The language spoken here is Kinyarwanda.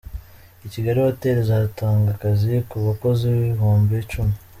Ikigali Hoteli izatanga akazi ku bakozi ibihumbi icumi